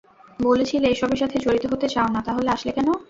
বলছিলে এসবের সাথে জড়িত হতে চাও না, তাহলে আসলে কেন?